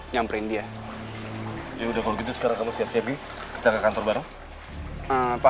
nyamperin dia udah kalau gitu sekarang kamu siap siap kita ke kantor bareng apa